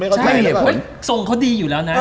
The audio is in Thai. โสดงเขาดีอยู่แล้วนะ